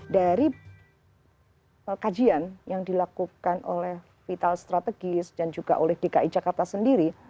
dari kajian yang dilakukan oleh vital strategis dan juga oleh dki jakarta sendiri